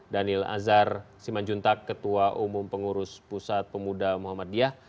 daniel azhar simanjuntak ketua umum pengurus pusat pemuda muhammadiyah